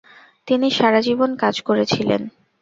তিনি সারা জীবন কাজ করেছিলেন।